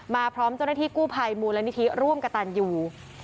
พร้อมเจ้าหน้าที่กู้ภัยมูลนิธิร่วมกระตันอยู่